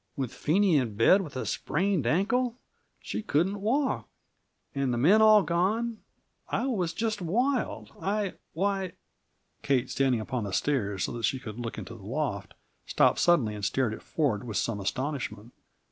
With Phenie in bed with a sprained ankle so she couldn't walk, and the men all gone, I was just wild! I why " Kate, standing upon the stairs so that she could look into the loft, stopped suddenly and stared at Ford with some astonishment.